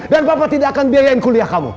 dan papa tidak akan biayain kuliah kamu